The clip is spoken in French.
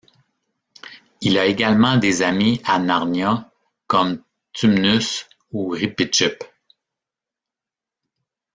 Il a également des amis à Narnia, comme Tumnus ou Ripitchip.